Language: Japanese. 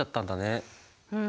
うん。